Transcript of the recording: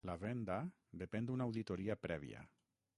La venda depèn d'una auditoria prèvia.